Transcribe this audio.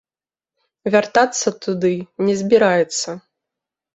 Вяртацца туды не збіраецца.